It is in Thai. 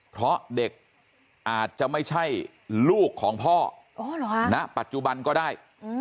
เพราะเด็กอาจจะไม่ใช่ลูกของพ่อณปัจจุบันก็ได้